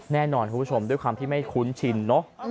แน่นอนคุณผู้ชมด้วยความที่ไม่คุ้นชินเนอะ